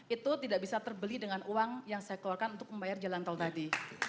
itu tidak bisa terbeli dengan uang yang saya keluarkan untuk membayar jalan tol tadi